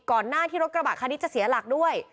หน้าที่รถกระบะคันนี้จะเสียหลักด้วย